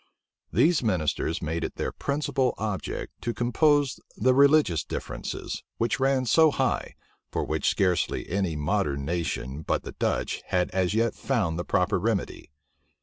These ministers made it their principal object to compose the religious differences, which ran so high, and for which scarcely any modern nation but the Dutch had as yet found the proper remedy.